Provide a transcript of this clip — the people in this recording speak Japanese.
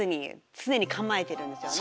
つねにかまえてるんですよね